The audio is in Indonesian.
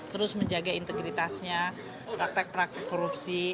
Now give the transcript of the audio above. terus menjaga integritasnya praktek praktek korupsi